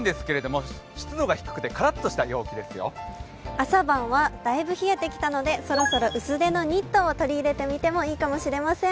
朝晩はだいぶ冷えてきたので、そろそろ薄手のニットを取り入れてみてもいいかもしれません。